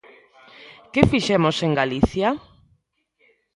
¿Que fixemos en Galicia?